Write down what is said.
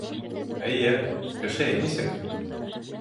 — Эйе, ГШЭ нисек?